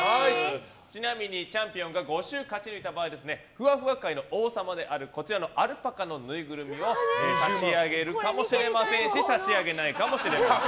ちなみに、チャンピオンが５週勝ち抜いた場合ふわふわ界の王様であるこちらのアルパカのぬいぐるみを差し上げるかもしれませんし差し上げないかもしれません。